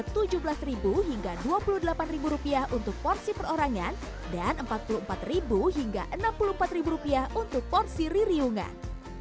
rp tujuh belas hingga rp dua puluh delapan untuk porsi perorangan dan rp empat puluh empat hingga rp enam puluh empat untuk porsi ririungan